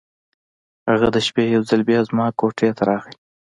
هغه د شپې یو ځل بیا زما کوټې ته راغی.